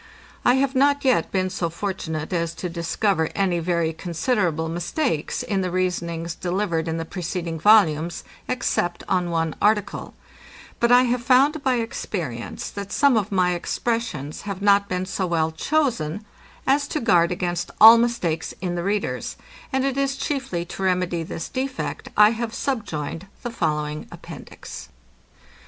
I have not yet been so fortunate as to discover any very considerable mistakes in the reasonings delivered in the preceding volumes, except on one article: But I have found by experience, that some of my expressions have not been so well chosen, as to guard against all mistakes in the readers; and it is chiefly to remedy this defect, I have subjoined the following appendix.